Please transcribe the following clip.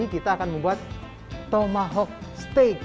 kita akan membuat tomahawk steak